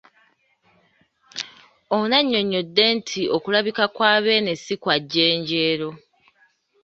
Ono annyonnyodde nti okulabika kwa Beene ssi kwa jjenjeero.